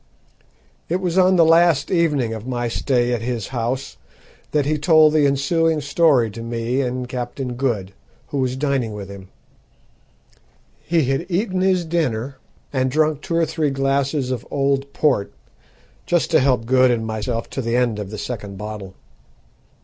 It was on the last evening of my stay at his house that he told the ensuing story to me and Captain Good, who was dining with him. He had eaten his dinner and drunk two or three glasses of old port, just to help Good and myself to the end of the second bottle.